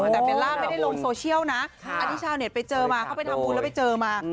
แต่เบลล่าไม่ได้ลงโซเชียลนะอันนี้ชาวเน็ตไปเจอมาเขาไปทำบุญแล้วไปเจอมา